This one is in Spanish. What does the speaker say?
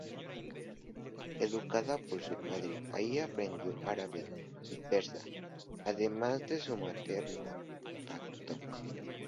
Educada por su padre allí, aprendió árabe y persa, además de su materno pashto.